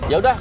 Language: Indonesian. ya udah pak